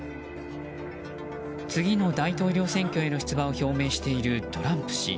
次の大統領選挙への出馬を表明しているトランプ氏。